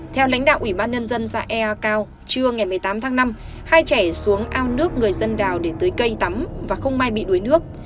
theo lãnh đạo ủy ban nhân dân xã ea cao trưa ngày một mươi tám tháng năm hai trẻ xuống ao nước người dân đào để tưới cây tắm và không may bị đuối nước